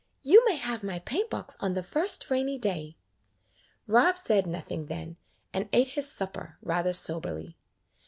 "You may have my paint box on the first rainy day." Rob said nothing then, and ate his supper rather soberly.